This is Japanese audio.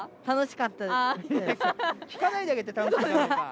楽しかったです。